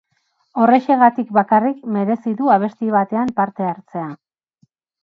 Horrexegatik bakarrik merezi du abesti batean parte hartzea.